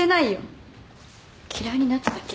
嫌いになっただけ。